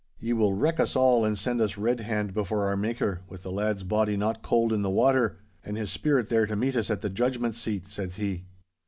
'"Ye will wreck us all and send us red hand before our Maker, with the lad's body not cold in the water, and his spirit there to meet us at the Judgment seat!" said he.